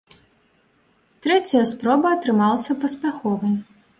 Трэцяя спроба атрымалася паспяховай.